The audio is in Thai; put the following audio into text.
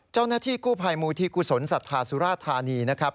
เจ้าหน้าที่กู้ภัยมูลที่กุศลศรัทธาสุราธานีนะครับ